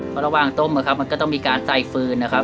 เพราะระหว่างต้มนะครับมันก็ต้องมีการใส่ฟืนนะครับ